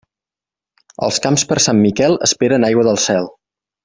Els camps per Sant Miquel esperen aigua del cel.